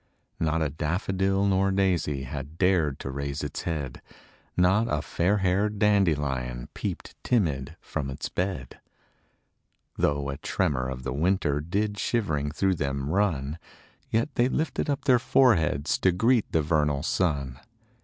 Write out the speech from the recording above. Not a daffodil nor daisy Had dared to raise its head; Not a fairhaired dandelion Peeped timid from its bed; THE CROCUSES. 5 Though a tremor of the winter Did shivering through them run; Yet they lifted up their foreheads To greet the vernal sun.